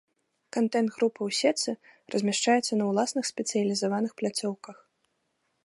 Кантэнт групы ў сетцы размяшчаецца на ўласных спецыялізаваных пляцоўках.